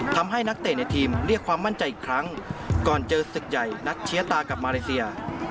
นักเตะในทีมเรียกความมั่นใจอีกครั้งก่อนเจอศึกใหญ่นัดเชียตากับมาเลเซีย